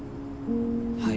はい。